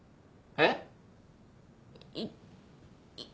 えっ！？